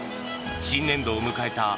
新年度を迎えた